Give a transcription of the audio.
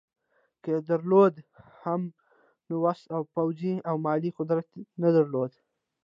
که یې درلود هم نو وس او پوځي او مالي قدرت یې نه درلود.